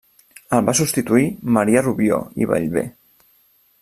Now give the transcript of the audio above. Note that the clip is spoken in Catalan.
El va substituir Marià Rubió i Bellver.